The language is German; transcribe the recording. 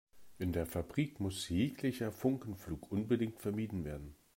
In der Fabrik muss jeglicher Funkenflug unbedingt vermieden werden.